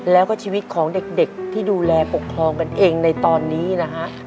แล้วก็ชีวิตของเด็กที่ดูแลปกครองกันเองในตอนนี้นะฮะ